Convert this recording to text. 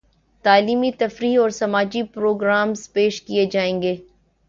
تعلیمی ، تفریحی اور سماجی پرو گرامز پیش کیے جائیں گے